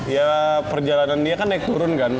ya perjalanan dia kan naik turun kan